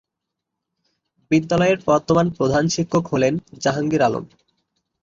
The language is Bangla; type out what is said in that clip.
বিদ্যালয়ের বর্তমান প্রধান শিক্ষক হলেন জাহাঙ্গীর আলম।